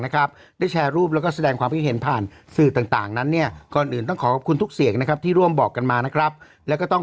นะครับได้แชร์รูปแล้วก็แสดงความคิดเห็นผ่านสื่อต่างต่าง